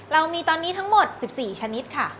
เรามีตอนนี้ทั้งหมด๑๔ชนิดค่ะ